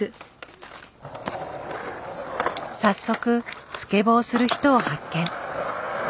早速スケボーする人を発見。